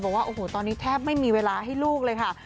บอกว่าโอ้โหตอนนี้แทบไม่มีเวลาให้ลูกเลยค่ะ